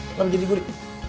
langsung jadi gue di